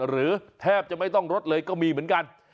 แทบจะไม่ต้องลดเลยก็มีเหมือนกัน